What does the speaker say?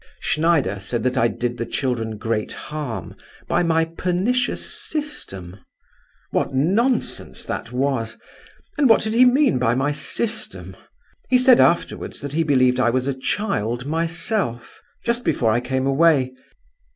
"Schneider said that I did the children great harm by my pernicious 'system'; what nonsense that was! And what did he mean by my system? He said afterwards that he believed I was a child myself—just before I came away.